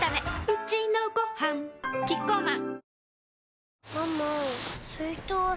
うちのごはんキッコーマン